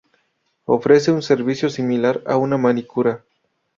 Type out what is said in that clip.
Ofrece un servicio similar a una manicura.